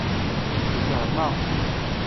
Fehmeɣ.